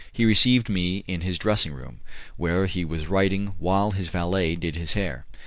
He received me in his dressing room, where he was writing while his valet did his hair.